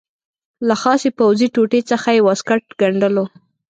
له خاصې پوځي ټوټې څخه یې واسکټ ګنډلو.